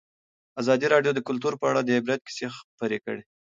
ازادي راډیو د کلتور په اړه د عبرت کیسې خبر کړي.